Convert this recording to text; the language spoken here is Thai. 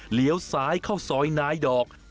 เหลียวซ้ายเข้าซอยนายดอก